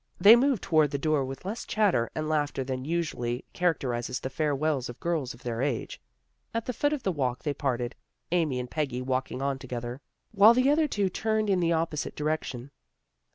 They moved toward the door with less chatter and laughter than usually characterizes the fare wells of girls of their age. At the foot of the walk they parted, Amy and Peggy walking on ELAINE HAS VISITORS 99 together, while the other two turned in the op posite direction.